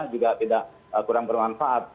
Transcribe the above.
juga tidak kurang bermanfaat